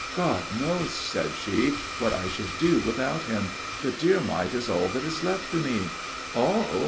"God knows," said she, "what I should do without him. The dear mite is all that is left to me." "All?